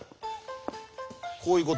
こういうことよ。